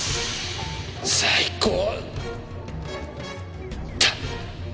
最高だ。